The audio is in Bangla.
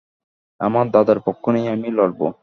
আমার দাদার পক্ষ নিয়ে আমি লড়ব।